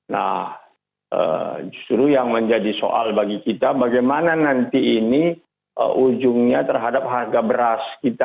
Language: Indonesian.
nah justru yang menjadi soal bagi kita bagaimana nanti ini ujungnya terhadap harga beras kita